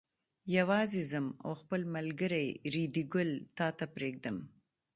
یوازې ځم او خپل ملګری ریډي ګل تا ته پرېږدم.